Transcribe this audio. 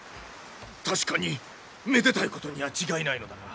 確かにめでたいことには違いないのだが。